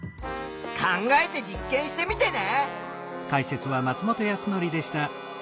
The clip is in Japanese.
考えて実験してみてね。